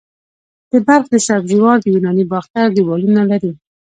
د بلخ د سبزې وار د یوناني باختر دیوالونه لري